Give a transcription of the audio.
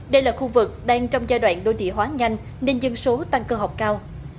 đây là khu vực đang trong giai đoạn đô địa hóa nhanh nên dân số tăng cơ học cao